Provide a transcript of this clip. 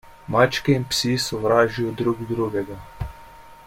Mačke in psi sovražijo drug drugega.